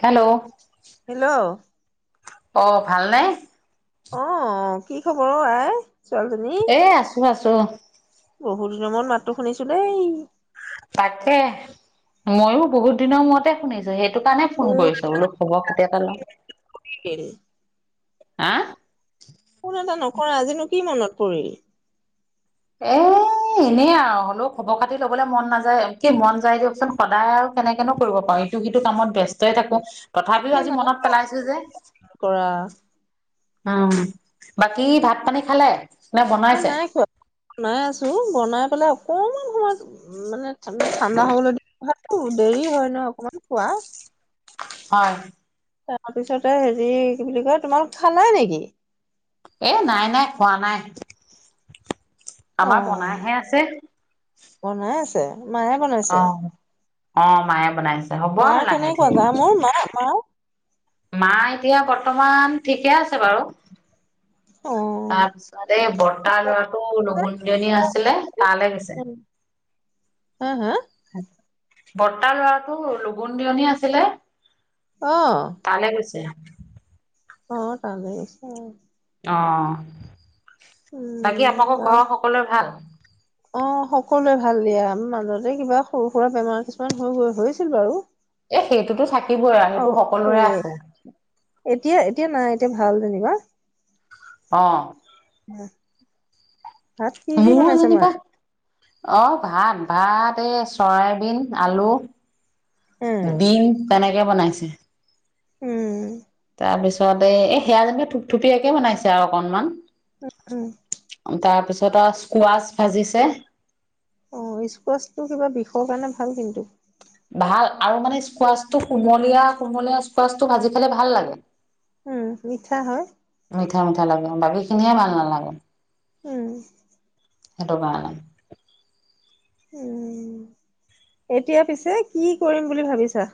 Hello hello অ ভাল নে আহ কি খবৰ অ আই ছোৱালী জনী ত বহুত দিনৰ মত মাতো শুনিছো দেই তাকে ময়ো বহুত দিনৰ মূতে শুনিছো সেই সেইটো কাৰণে ফোন কৰিছ বোলো খবৰ খাতি এটা লওঁ। আহিল হা কোনো এটা নকৰা আজিনো কি মনত পৰিল এ এনেই আৰু হ'লেও খবৰ খাতি লবলৈ মন নাযায় কি মন যায় দিয়কচোন সদায় আৰু কেনেকেনো কৰিব পাৰি। কিটো কামত ব্যস্তই থাকো তথাপিও আজি মনত পেলাইছো যে। কৰা অ', বাকী ভাত পানী খালে? নে হে বনাইছে? নাই খোৱা বনাই আছো বনাই পেলাই অকমান সময় উ মানে ঠাণ্ডা হ'বলৈ দেৰি হয় ন অকমান খোৱা। হয়। তাৰপিছতে হেৰি কি বুলি কয় তোমালোক খানাই নেকি? এ নাই নাই খোৱা নাই। অ আমাৰ বনাহে আছে। বনাই আছে মায়ে বনাইছে? অ'। অ', মায়ে বনাইছে। হ'ব মা আৰু লাহে কেনেকুৱ ধীৰে। যা মোৰ মা মা মা এতিয়া বৰ্তমান ঠিকে আছে বাৰু। অ তাৰপিছত এই বৰ্তাৰ লৰাটো লগঘুনজনী আছিলে তালৈ গৈছে। হা হা বৰ্তাৰ লৰাটো লগুণ দিয়নী আছিলে। অ তালে গৈছে। অ', তালে গৈছে। অ'। বাকী উম আপোনালোকৰ বা ঘৰৰ সকলোৱে ভাল? অ', সকলোৱে ভাল দিয়া মাজতে কিবা সৰু সুৰা বেমাৰ কিছুমান হৈ গৈ হৈছিল বাৰু। এ সেইটোতো থাকিবই আৰু অ সেইটো এ সকলোৰে আছে। এয়া ভাল যেনিবা। অ'। উ [unintelligible] ভাত কি কি মোৰো বনাইছে যেনিবা মায়ে? অ', ভাত ভাত এই চৰাইবিন আলু উম দীম তেনেক বনাইছে। উম। তাৰপিছত এই সেয়া যেনকে থুপথুপীয়াকে বনাইছে আৰু অকনমান। উম অ তাৰপিছত টা স্কোৱাচ ভাজিছে। অ স্কোৱাচটো কিবা বিষৰ কাৰণে ভাল কিন্তু। ভাল আৰু মানে স্কোৱাচটো কুমলীয়া কুমলীয়া স্কোৱাচটো ভাজি খালে ভাল লাগে। উম মিঠা হয়। মিঠা মিঠা লাগে বাকী খিনিহে ভাল নালাগে। উম সেটো কাৰন উম এতিয়া পিছে কি কৰিম বুলি ভাবিছা?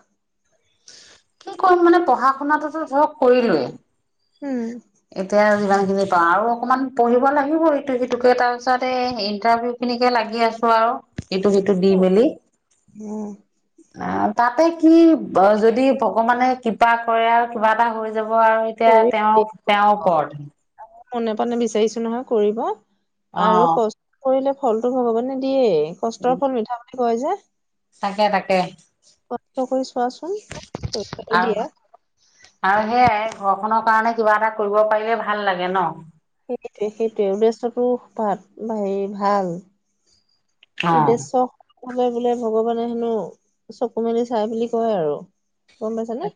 কি ক'ম মানে পঢ়া শুনাটোতো ধৰক উম কৰিলোয়েই। এতিয়া মান পা আৰু অকনমান পঢ়িব লাগিব‌ই, এইটো সিটোকে তাৰপিছতে এই ইন্টাৰভিউ খিনিকে লাগি আছো আও। এইটো যিটো দি মেলি। উম তাতে কি! যদি ভগৱানে কৃপা কৰে আৰু কিবা এটা হৈ যায়। যাব-আৰু এতিয়া কৰি তেওঁক, তেওঁৰ ওপৰতে। মনে-প্ৰাণে বিচাৰিছোঁ নহয় কৰিব। অ আৰু কষ্ট কৰিলে। ফলটো ভগৱানে দিয়েই। কষ্টৰ ফল মিঠা বুলি- কয় যে। তাকে তাকে! ট কৰিছো। চোৱাচোন, পৰিক্ষাটো আৰু দিয়া। আৰু সেয়াই, ঘৰখনৰ কাৰণে কিবা এটা কৰিব পাৰিলে ভাল লাগে, ন? সেইটোৱে সেইটোৱে, উদ্দেশ্যটো খুব ভাল, হেৰি ভাল। অ'। উদ্দেশ্য। কলে বোলে ভগৱানে হেনো চকু মেলি চায়, বুলি কয় আৰু। গম পাইছা নে?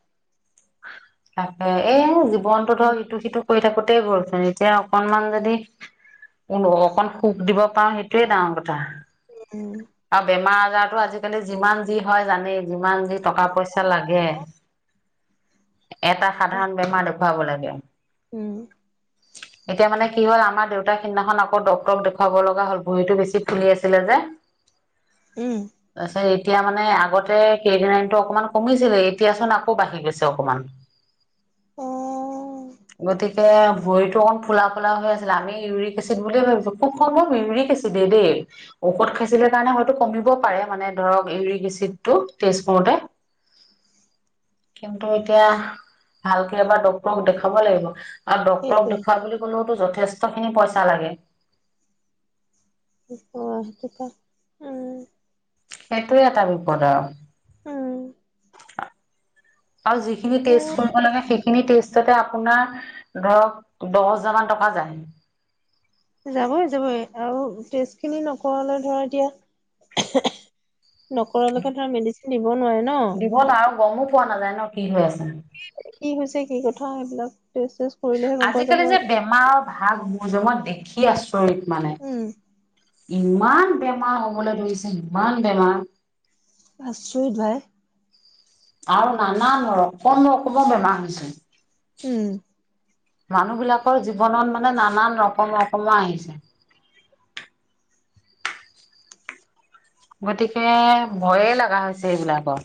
অ' এই- মন্টো ধৰ ইটো সিটো, কৰি থাকোতেই গ'লচোন, এতিয়া অকণমান যদি অকণ সুখ দিব পাৰোঁ সেইটোৱে ডাঙৰ কথা। উম আৰু বেমাৰ-আজাৰ বোলো, আজিকালি যিমান যি হয় জানেই। যিমান যি, টকা-পইচা লাগে। এটা সাধাৰণ বেমাৰ- ভাব লাগে উম' এতিয়া মানে কি হ'ল, আমাৰ দেউতাই সিদিনাখন আকৌ ডাক্তৰক দেখুৱাব লগা হ'ল। ভৰিটো বেছি ফুলি আছিলে যে। উম আছে। এতিয়া মানে- আগতে ক্ৰিয়েটিনিনটো অকণমান কমিছিলে, এতিয়াচোন আকৌ বাঢ়ি গৈছে অকণমান। অ গতিকে- ভৰিতো অকণ ফুলা-ফুলা হৈ আছিলে, আমি ইউৰিক এছিড বুলিয়ে ভাবিছোঁ- খুব কম ইউৰিক এছিড, দেই ঔষধ খাই। আছিলে কাৰণে হয়তো কমিব পাৰে, মানে ধৰক ইউৰিক এছিডটো টেষ্ট কৰোঁতে, কিন্তু এতিয়া ভালকে এবাৰ ডাক্তৰক দেখাব লাগিব। আৰু ডাক্তৰক সেইটোৱে দেখুৱাওক বুলি ক'লেও। যথেষ্টখিনি পইচা লাগে। অহ', তেতিয়া ওম'। সেইটোৱে এটা বিপদ, আৰু। উম' আৰু যিখিনি টেষ্ট কৰিব লাগে, সেইখিনি টেষ্ট। পিছতে আপোনাৰ ধৰক দহ হাজাৰ মান টকা যায় যাবই যাবই আৰু টেষ্ট খিনি নকৰালে ধৰা এতিয়া নকৰালৈকে ধৰা মেডিচিন দিব নোৱাৰে ন দিব আৰু গমো পোৱা নাযায় ন কি হৈ আছে কি হৈছে কি কথা এইবিলাক আজিকালি যে বেমাৰ ভাগ বুজত দেখি ইছ ত মানে উম ইমান বেমাৰ হ'বলৈ ধৰিছে ইমান বেমাৰ আছুহিত ভাই আৰু নানান ৰকম ৰকমৰ বেমাৰ হৈছে উম মানুহ বিলাকৰ জীৱনত মানে নানান ৰকম ৰকমৰ আহিছে গতিকে ভয়ে লগা হৈছে এইবিলাকৰ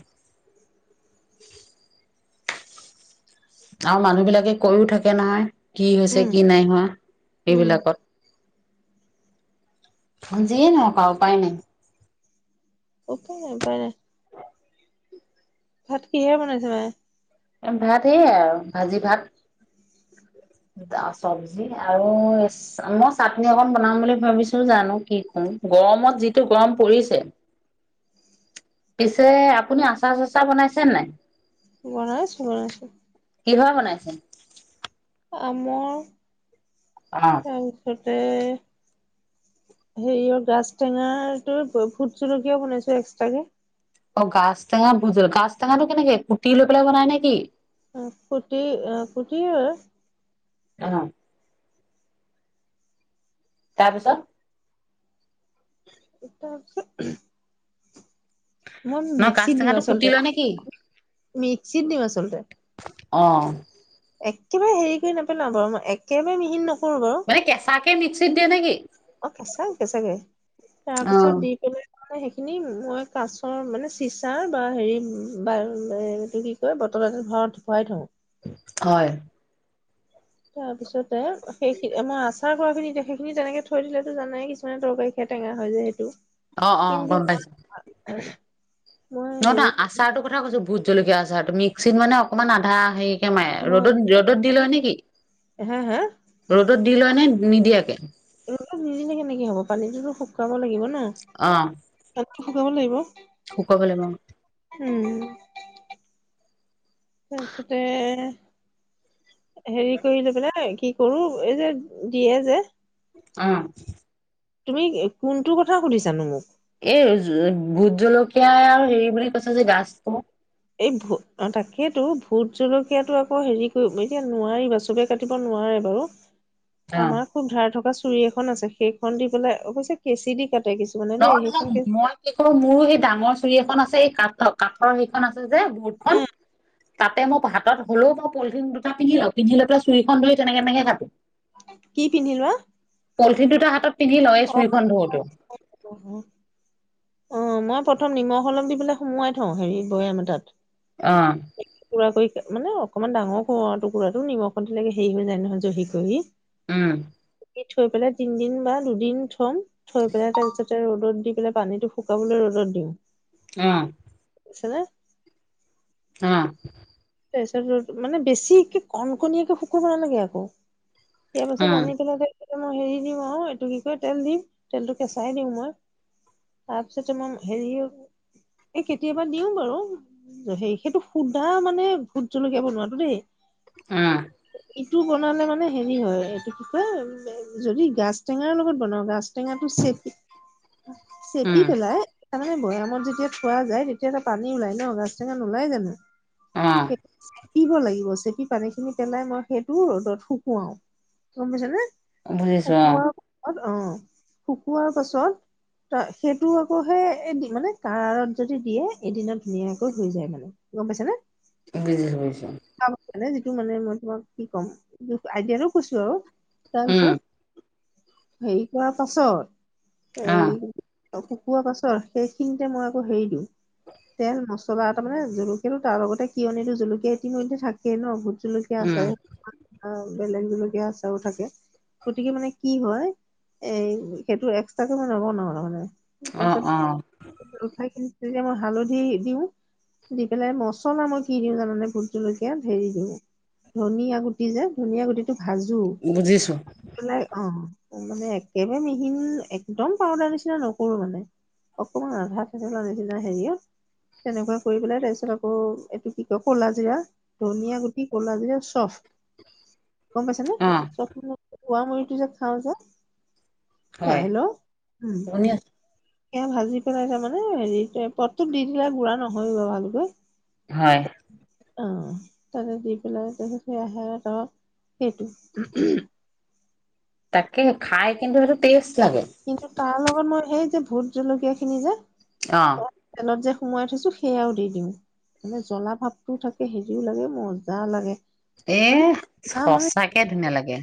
আৰু মানুহ বিলাকে কৈও থাকে নহয় কি হৈছে উম কি নাই হোৱা উম এইবিলাকত জি নহকা উপ উপায় নাই উপ প ন পাৰে ভাত কিহে বনাইছে মায়ে ভাত এইয় আৰু ভাজি ভাত চব্জি আৰু মই চাটনি অকন বনাম বুলি ভাবিছো জানো কি কম গৰমত যি টো গৰম পৰিছে পিছে আপুনি আচাৰ চচা বনাইছে নাই বন আছো বন আছো কিভা বনাইছে আম অ তছত তাতে হেৰিয়ৰ গছ টেঙা তো ফুট চলকীয়া বনাইছো এক্সট্ৰাকে অ গাছ টেঙা ভুজল গা টঙাাতটো কেনেকে কুটি লৈ পেলাই বনাই নেকি কুটি কুটি অ তাৰপিছত এ তাৰপিছত মই ন গাজ মিক্সিত দিম টেঙাটো কুটি আচলতে লয় নেকি মিক্সিত দিম আচলতে অঁ একেবাৰে হেৰি কৰি নপেলা বাৰু মই একেবাৰে মিহিন নক ফোৰ বাৰু মানে কেঁচাকে মিক্সিত দিয়ে নেকি অ কেঁচাকে কেঁচাকে অ', তাৰপিছত দি পেলাই ম সেইখিনি মই কাছৰ মানে চিচাৰ বা হেৰি বা এইটো কি কয় বটল এ ভৰা ভৰাই থওঁ হয় তাৰ পিছত সেইখিনি মই আচাৰ কৰা খিনি এতি সখিনি তেনেকে থৈ দিলেতো জানাই কিছুমান তৰকাৰী খ টেঙা য যে সেইটো [unintelligible] অ অ গম পাইছো উ নহয় ন আচাৰ টো কথা কৈছো ভোট জলকীয়া আচাৰটো মিক্সিত মানে অকণমান আধা সে মাই মই ৰ'দত ৰ'দত দি লোৱা নে কি হা হা ৰ'দত দি লোৱা নে নিদিয়াকে। এই নিদিনে সনেকে হব পানীটোতো শু-কাব লাগিব ন। অ', টো শুকাব লাগিব। শুকাব লাগিব উম তাৰপিছতে হেৰি কৰিলৈ পেলাই কি কৰো এই যে দিয়ে যে অ। তুমি কোনটো কথা সুধিছানো মোক এই ভোট জলকীয়া আৰু হেৰি বুলি কৈছে যে গাছ টো এই ভো তাকেইেতো ভোত জলকীয়াাতটো আকৌ হেৰি কৰিব এতিয়া নোৱাৰিবা চবে কাটিব নোৱাৰে বাৰু। অ', আমাৰ খুব ধাৰ থকা চুৰি এখন আছে সেইখন দি পেলাই অৱশ্যে কেঁচি দি কাটে কিছুমানে ন দেই সেইখন কেঁচি মই কি কৰো মোৰো সেই ডাঙৰ চুৰি এখন আছে এই কাঠৰ কাঠৰ সেইখন আছে যে বহুতখন তাতে মই হাতত হ'লেও মই পলিথিন দুটা পিন্ধি লওঁ পিন্ধি লৈ প চুৰিীখন ধৰি তেনেকে তেনেকে কাটো। কি পিন্ধিল বাা পল্থিন দুটা হাতত পিন্ধি লয় চুইখন ধৰতে ও। অ অ মই প্ৰথম নিমখ অলপ দি পেলাই সুমোৱাই থওঁ হেৰি বৈযাম এটাত। অ', পোৰা কৰি মানে অ অকণমান ডাঙৰ কৰো আৰু টুৰাটো নিমখত দিলে হেৰি হৈ যায় নহয় জহি কহি উম। দি থৈ পেলাই তিনিদিন বা দুদি দিন থম। থৈ পেলাই তাৰপিছত ৰ'দত দি পেলাই পানীটো শুকাবলৈ ৰ'দত দিওঁ আহ। বুজিছানে! হ। তাৰপিছত মানে বেছিকে কণ কণীয়াকে শুকুব নালাগে আকৌ ইয়াৰ পাছত অ', আনি পেলাই মই হেৰি দিওঁ আৰু এইটো কি ক তেল দিম তেলটো কেঁচাই দিও মই তাৰপিছতে মই হেৰি এই কেতিয়াবা দিও বাৰু হে সেইটো সুধা মানে ভুট জলকীয়া বনোৱাটো দেই আহ। টো বনালে মানে হেৰি হয় এইটো কি কয় যদি গাছ টেঙাৰ লগত বনাওঁ গাছ টেঙাটো চেপি উম, চেপি পেলাই তাৰমানে বৈয়ামত যেতিয়া থোৱা যায় তেতিয়াযে পানী ওলাই ন গা টেঙা ওলাই জানো। [unintelligible] অ। চেপিব লাগিব চেপি পানী খিনি পেলাই মই সেইটো ৰ'দত শুকুৱাও গম পাইছ নে? [unintelligible] বুজিচোৱা শুকোৱাৰ অ পাছত শুকোৱাৰ পাছত ত সেইটো আকৌ সে মানে কাৰাৰত যদি দিয়ে এদিনত ধুনীয়াকৈ হৈ যায় মানে গম পাইছে নে? বুজিছোঁ বুজিছোঁ। মানে যিটো মানে মই তোমাক কি ক'ম আইডিয়াটো কৈছো আৰু তাৰ উম, পাছত হেৰি কৰা পাছত এই অ', অ কুকোৱা পাছৰ সেইখিনিতে মই আকৌ হেৰি দিওঁ তেল মছলা তাৰ মানে জলকীয়াটো তাৰ লগতে কিয় নিদো জলকীয়া ইতিমধ্যতে থাকে ন। জলকীয়া আছে উম। অ বেলেগ জলকিয়া আচাৰো থাকে গতিকে মানে কি হয় এ সেইটো এক্সট্ৰাকে বনাব নোৱাৰোঁ মানে। তাৰ অ', পাছত অ', উঠাই কিনি তেতিয়া মই হালধি দিও দি পেলাই মছলা মই কি দিওঁ জানো ভূতজলকীয়া ধেৰি দিওঁ ধনিয়া গুটি যে ধনিয় গুটিটো ভাজো বুজিছো ভাজি পেলাই অ মানে একেবাৰে মিহিন একদম পাউদাৰ নিচিনা নকৰো মানে অকমান আধা ঠেচেলা নিচিনা হেৰিয়ত তেনেকুৱা কৰি পেলাই তাৰ পিছত আকৌ এইটো কি কয়। ক'লাজিৰা, ধনিয়া গুটি, ক'লাজিৰা চফ গম পাইছনে অ', চ খোৱা মুৰিটো যে খাওঁ যে। হে - হয় হেল্ল', উম। শুনি আছো এ ভাজি পেলাই তাৰমানে হেৰি [unintelligible] পতটোত দি দিলে গুৰা নহয় [unintelligible] ভালকৈ। হয়। অহ। তাতে দি পেলাই [unintelligible] সেইটো। তাকে খাই কিন্তু সেইটো টেষ্ট লাগে কিন্তু তাৰ লগত মই সেই যে ভোট জলকীয়া খিনি যে অঁ। তাত যে সোমোৱাই থৈছো সেয়াও দি দিওঁ, মানে জ্বলা ভাৱটোও থাকে হেৰিও লাগে মজা লাগে। এ মানে না মানে সঁচাকে ধুনীয়া লাগে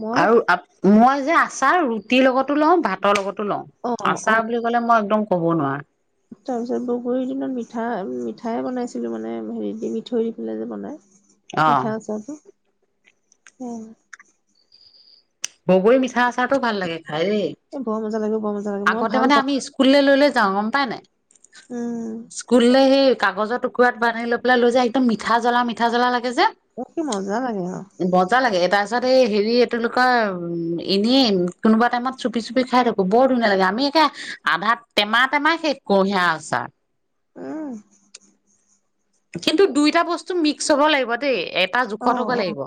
মই আৰু আপ - মই যে আ আচাৰ ৰুটিৰ লগতো লওঁ, ভাতৰ লগত তো লও। অ অ আচাৰ বুলি কলে মই একদম ক'ব নোৱাৰা। তাৰপিছত বগৰীৰ দিনত মিঠা - মিঠাই বনাইছিলো, মানে হে দি মিঠৈ দি পেলাই যে বনাই। অ', মিঠা আচাৰটো। [unintelligible] বগৰী মিঠা আচ চাৰতো ভাল লাগে খাই দে। এ বৰ মজা লাগে বৰ মজা লাগে মই আগতে ভাল মানে পাওঁ আমি স্কুল লে লৈ লৈ যাওঁ গম পাই নাই? উম স্কুললে সেই কাগজৰ টুকুৰাত বান্ধি লৈ পেলাই লৈ যে একদম মিঠা জলা মিঠা জলা লা গে যে, কি মজা লাগে অ মজা লাগে এটা তাত সেই হেৰি এইটো [unintelligible] কয় এনেই কোনোবা টাইমত চুপি চুপি খাই থাকো বৰ ধুনীয়া লাগে আমি একে আধা টেমা টেমা শেষ কৰোঁ সেই আচাৰ। উম। কিন্তু দুইটা বস্তু মিক্স হ'ব লাগিব দেই এ এটা অ জোখত হ'ব অ লাগিব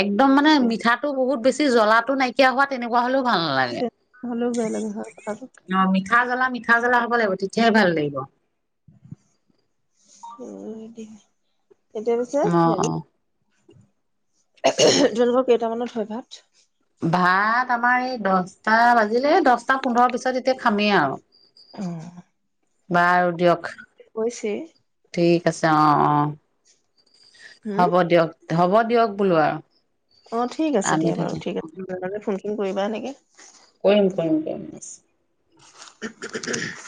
একদম মানে সেইটোৱে মিঠাটো বহুত বেছি জ্বলাটো নাইকিয়া হোৱা তেনেকুৱা হলেও ভাল নালাগে। তেনেকুৱা হলেও বেয়া লাগে হয় কথাটো অ' মিঠা জ্বলা মি ঠা জলা হ'ব লাগিব। তেতিয়াহে ভাল লাগিব। [unintelligible] এতিয়া পিছেত অ অ হেৰি [unintelligible] কেইটামানত হয় ভাত? ভাত আমাৰ এই দহটা বাজিলে দহটা পোন্ধৰৰ পিছত এতিয়া খামেই আও। অ। বাৰু দিয়ক। পিছে। ঠিক আছে অ অঁ। উম হ'ব দিয়ক। হ'ব দিয়ক বোলো আও। অ ঠিক আছে দিয়া বাৰু ঠিক আছে ফোন। কৰিবা এনেকে। কৰিম কৰিম কেম ব। উ [unintelligible]